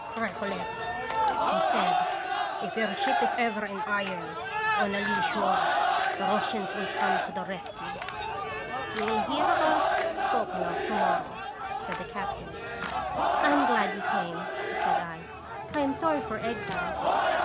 " Recol lect," he said, "if your ship is ever in irons, on a lee shore, the Russians will come to the ( f You will hear us spoken of to morrow," said the captain. " I am glad you came," said I; " I am sorry for exiles."